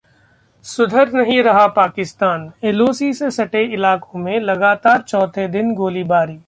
सुधर नहीं रहा पाकिस्तान, LoC से सटे इलाकों में लगातार चौथे दिन गोलीबारी